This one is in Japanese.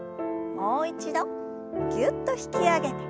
もう一度ぎゅっと引き上げて。